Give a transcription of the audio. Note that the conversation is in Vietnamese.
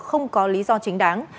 không có lý do chính đáng